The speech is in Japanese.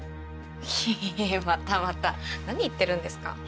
いやまたまた何言ってるんですか。